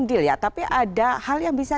deal ya tapi ada hal yang bisa